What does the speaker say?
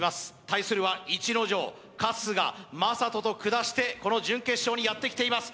対するは逸ノ城春日魔裟斗と下してこの準決勝にやってきています